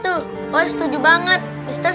true banget setuju banget setuju mbak